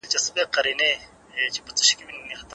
ښايي سبا هوا د نن په پرتله ډېره یخه شي.